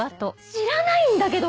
知らないんだけど！